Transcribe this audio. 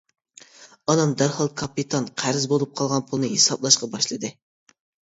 ئانام دەرھال كاپىتان قەرز بولۇپ قالغان پۇلنى ھېسابلاشقا باشلىدى.